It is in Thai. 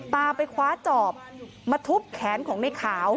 ตามไปคว้าจอบมาทุบแขนของในขาว